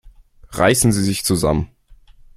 Reißen Sie sich zusammen!